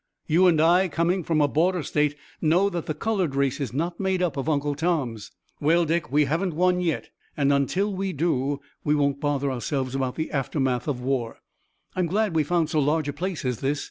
You and I, coming from a border state, know that the colored race is not made up of Uncle Toms." "Well, Dick, we haven't won yet, and until we do we won't bother ourselves about the aftermath of war. I'm glad we found so large a place as this.